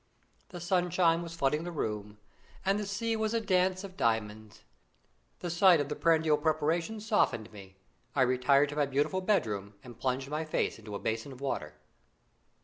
The sunshine was flooding the room, and the sea was a dance of diamonds. The sight of the prandial preparations softened me. I retired to my beautiful bedroom and plunged my face into a basin of water.